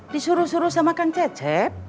disuruh suruh sama kang cecep